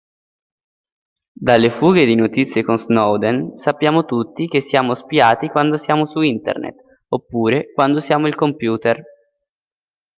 Dalle fughe di notizie con Snowden sappiamo tutti che siamo spiati quando siamo su Internet oppure quando usiamo il computer.